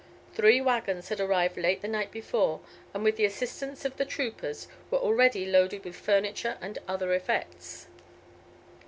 Three waggons had arrived late the night before, and with the assistance of the troopers were already loaded with furniture and other effects.